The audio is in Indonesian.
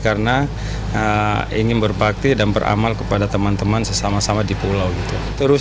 karena ingin berbakti dan beramal kepada teman teman sesama sama di pulau itu terus